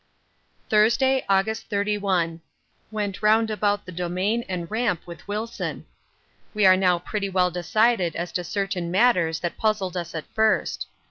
Thursday, August 31. Went round about the Domain and Ramp with Wilson. We are now pretty well decided as to certain matters that puzzled us at first.